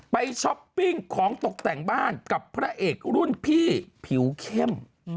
ช้อปปิ้งของตกแต่งบ้านกับพระเอกรุ่นพี่ผิวเข้ม